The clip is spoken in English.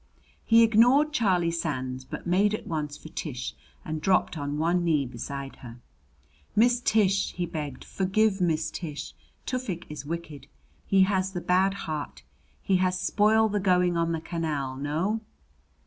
He ignored Charlie Sands, but made at once for Tish and dropped on one knee beside her. "Miss Tish!" he begged. "Forgive, Miss Tish! Tufik is wicked. He has the bad heart. He has spoil the going on the canal. No?"